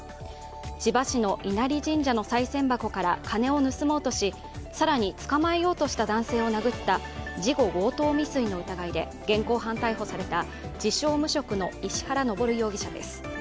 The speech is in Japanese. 千葉市の稲荷神社のさい銭箱から金を盗もうとし更に捕まえようとした男性を殴った事後強盗未遂の疑いで現行犯逮捕された自称・無職の石原登容疑者です。